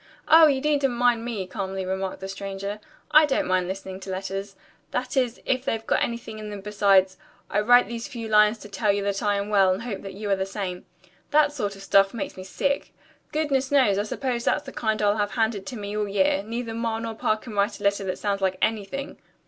"Oh, you needn't mind me," calmly remarked the stranger. "I don't mind listening to letters. That is if they've got anything in them besides 'I write these few lines to tell you that I am well and hope you are the same.' That sort of stuff makes me sick. Goodness knows, I suppose that's the kind I'll have handed to me all year. Neither Ma nor Pa can write a letter that sounds like anything."